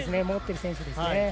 持っている選手ですね。